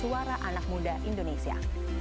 suara anak muda indonesia